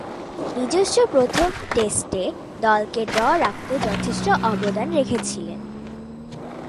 নিজস্ব প্রথম টেস্টে দলকে ড্র রাখতে যথেষ্ট অবদান রেখেছিলেন।